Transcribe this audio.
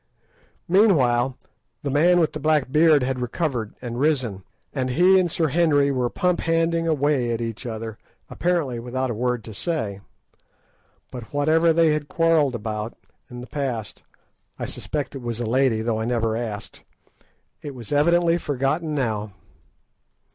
Meanwhile the man with the black beard had recovered and risen, and he and Sir Henry were pump handling away at each other, apparently without a word to say. But whatever they had quarrelled about in the past—I suspect it was a lady, though I never asked—it was evidently forgotten now.